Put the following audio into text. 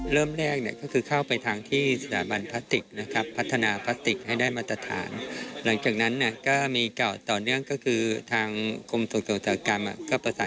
เริ่มแรกก็คือเข้าไปทางที่สถาบันพลาสติกนะครับ